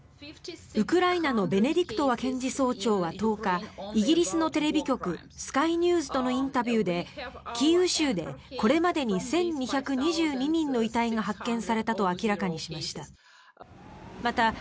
ウクライナのベネディクトワ検事総長は１０日イギリスのテレビ局スカイニューズとのインタビューでキーウ州でこれまでに１２２２人の遺体が発見されたと明らかにしました。